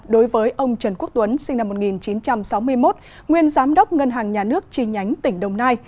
đối với ông trần quốc tuấn sinh năm một nghìn chín trăm sáu mươi một nguyên giám đốc ngân hàng nhà nước chi nhánh tỉnh đồng nai